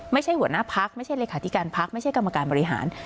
ไม่ใช่หัวหน้าพักไม่ใช่เลขาธิการพักไม่ใช่กรรมการบริหาร